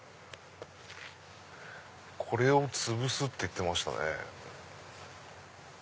これをつぶすって言ってましたね。